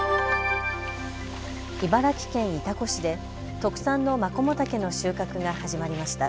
茨城県潮来市で特産のマコモタケの収穫が始まりました。